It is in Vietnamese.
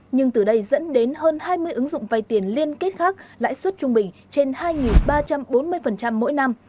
nhưng từ đây dẫn đến hơn hai mươi ứng dụng vay tiền liên kết khác lãi suất trung bình trên hai ba trăm bốn mươi mỗi năm